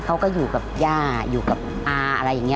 เขาก็อยู่กับย่าอยู่กับอาอะไรอย่างนี้